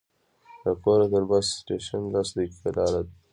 له کوره تر بس سټېشن لس دقیقې لاره ده.